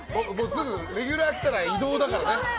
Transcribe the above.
レギュラー来たら移動だからね。